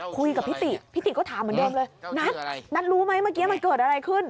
คุยกับพี่ติพี่ติก็ถามเหมือนเดิมเลยนัทนัทรู้ไหมเมื่อกี้มันเกิดอะไรขึ้น